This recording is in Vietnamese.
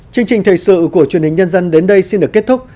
chương trình thời sự của truyền hình nhân dân đến đây xin được kết thúc